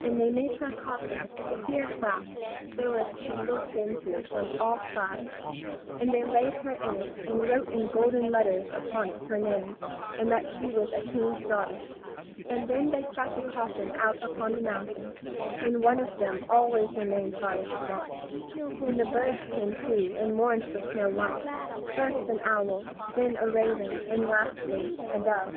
And they had made a coffin of clear glass, so as to be looked into from all sides, and they laid her in it, and wrote in golden letters upon it her name, and that she was a king's daughter. Then they set the coffin out upon the mountain, and one of them always remained by it to watch. And the birds came too, and mourned for Snow white, first an owl, then a raven, and lastly, a dove.